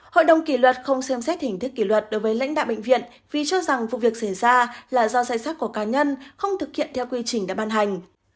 hội đồng kỷ luật không xem xét hình thức kỷ luật đối với lãnh đạo bệnh viện vì cho rằng vụ việc xảy ra là do danh sách của cá nhân không thực hiện theo quy trình đã ban hành